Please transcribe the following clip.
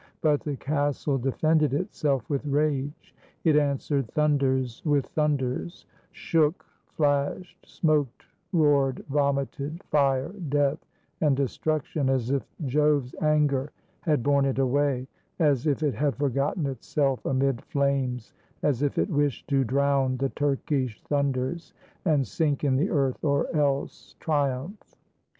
But the castle defended itself with rage; it answered thunders with thunders, shook, flashed, smoked, roared, vomited fire, death, and de struction, as if Jove's anger had borne it away, — as if it had forgotten itself amid flames; as if it wished to drown the Turkish thunders and sink in the earth, or else triumph.